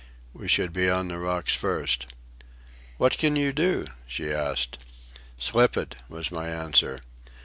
"We should be on the rocks first." "What can you do?" she asked. "Slip it," was my answer.